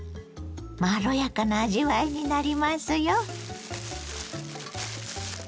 まろやかな味わいになりますよ。